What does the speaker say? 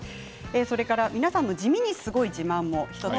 それから皆さんの地味にすごい自慢も。